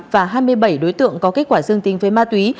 và hai mươi bảy đối tượng có kết quả dương tính với ma túy